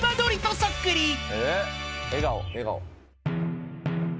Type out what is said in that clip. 笑顔。